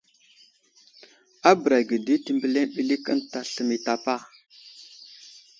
A bəra ge di təmbəliŋ ɓəlik ənta sləmay i tapa.